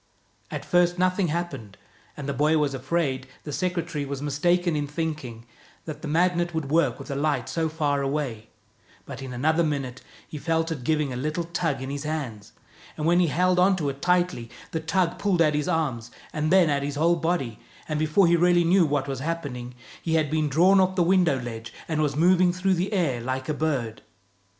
At first nothing happened, and the boy was afraid the secretary was mistaken in thinking that the Magnet would work with a light so far away; but in another minute he felt it giving a little tug in his hands, and when he held on to it tightly, the tug pulled at his arms and then at his whole body, and before he really knew what was happening, he had been drawn off the window ledge, and was moving through the air like a bird.